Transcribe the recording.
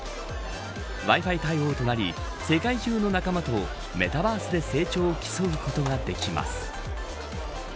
Ｗｉ‐Ｆｉ対応となり世界中の仲間とメタバースで成長を競うことができます。